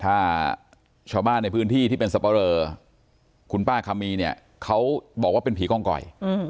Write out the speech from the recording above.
ถ้าชาวบ้านในพื้นที่ที่เป็นสับปะเรอคุณป้าคำมีเนี่ยเขาบอกว่าเป็นผีกองกอย